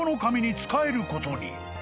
仕えることに］